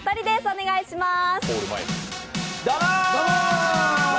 お願いします。